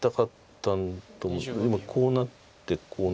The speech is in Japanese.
今こうなってこうなって。